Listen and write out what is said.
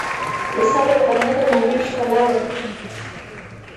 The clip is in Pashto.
د صبر ګاڼه د مؤمن ښکلا ده.